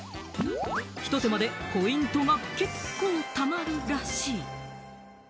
ひと手間でポイントが結構、貯まるらしい。